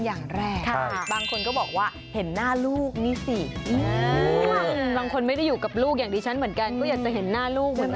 อย่างแรกบางคนก็บอกว่าเห็นหน้าลูกนี่สิบางคนไม่ได้อยู่กับลูกอย่างดิฉันเหมือนกันก็อยากจะเห็นหน้าลูกเหมือนกัน